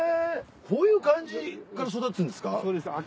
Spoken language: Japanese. こういう感じから育つんですか。